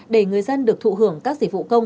để người dân được thụ hưởng các dịch vụ công